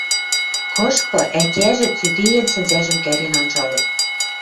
— Кышкы? — ӓтяжӹ, цӱдеен, сӹнзӓжӹм кӓрен анжалын.